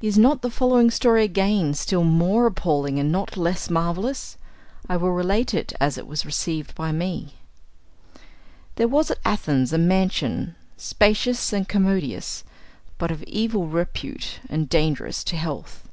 Is not the following story again still more appalling and not less marvellous? I will relate it as it was received by me: There was at Athens a mansion, spacious and commodious, but of evil repute and dangerous to health.